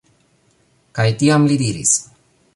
Kaj tiam li diris: